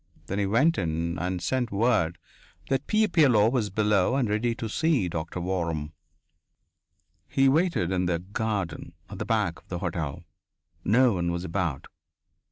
Then he went in and sent word that "Pierre Pilleux was below and ready to see Doctor Waram." He waited in the "garden" at the back of the hotel. No one was about.